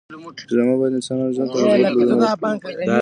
ډرامه باید د انسانانو ژوند ته مثبت بدلون ورکړي